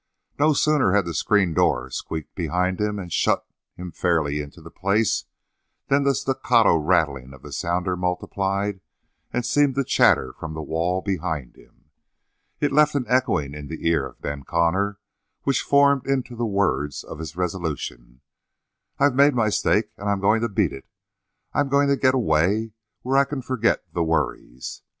No sooner had the screen door squeaked behind him and shut him fairly into the place than the staccato rattling of the sounder multiplied, and seemed to chatter from the wall behind him. It left an echoing in the ear of Ben Connor which formed into the words of his resolution, "I've made my stake and I'm going to beat it. I'm going to get away where I can forget the worries.